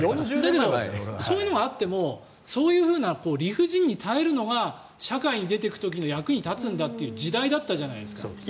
そういうのがあってもそういう理不尽に耐えるのが社会に出ていく時の役に立つんだという時代だったじゃないですか。